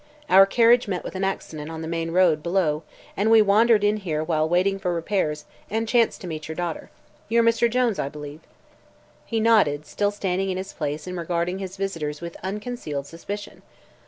Our carriage met with an accident on the main road below and we wandered in here while waiting for repairs and chanced to meet your daughter. You are Mr. Jones, I believe?" He nodded, still standing in his place and regarding his visitors with unconcealed suspicion.